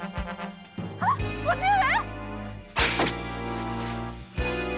あっ叔父上⁉